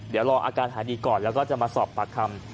เดี๋ยวรออาการหายดีก่อนแล้วก็จะมาสอบปากคำ